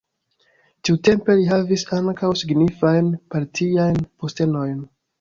Tiutempe li havis ankaŭ signifajn partiajn postenojn.